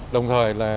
đồng thời là